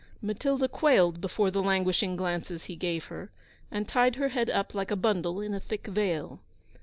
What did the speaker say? Matilda quailed before the languishing glances he gave her, and tied her head up like a bundle in a thick veil.